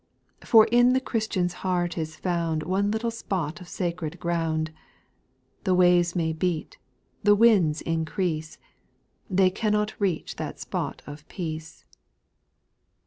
For in the Christian's heart is found One little spot of sacred ground, — The waves may beat, the winds increase, They cannot reach that spot of peace.